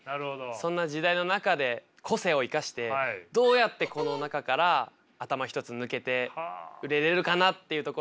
そんな時代の中で個性を生かしてどうやってこの中から頭一つ抜けて売れれるかなっていうところを必死にもがいてるんですけど